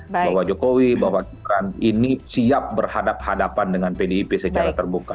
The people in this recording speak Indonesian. bahwa jokowi bahwa gibran ini siap berhadapan hadapan dengan pdip secara terbuka